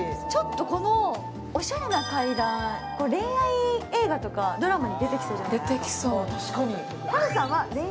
このおしゃれな階段、恋愛映画とかドラマに出てきそうじゃないですか？